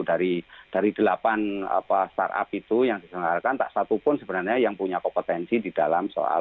dari dari delapan apa startup itu yang diselenggarakan tak satu pun sebenarnya yang punya kompetensi di dalam soal